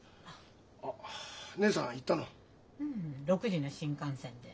６時の新幹線で。